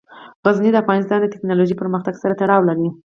غزني د افغانستان د تکنالوژۍ پرمختګ سره تړاو لري.